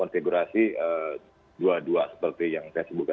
oke pak argo ada dilema dari para pesepeda road bike yang terkait dengan jalan jalan